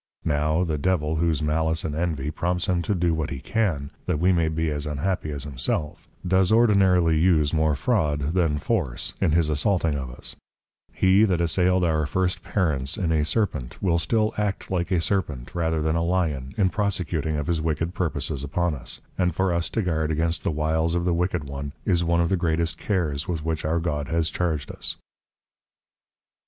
Now, the Devil, whose Malice and Envy, prompts him to do what he can, that we may be as unhappy as himself, do's ordinarily use more Fraud, than Force, in his assaulting of us; he that assail'd our First Parents, in a Serpent, will still Act Like a Serpent, rather than a Lion, in prosecuting of his wicked purposes upon us, and for us to guard against the Wiles of the Wicked One, is one of the greatest cares, with which our God ha's charged us.